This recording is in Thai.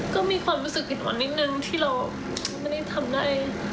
ก็มีความรู้สึกอิดอ่อนนิดนึงที่เราไม่ได้ทำได้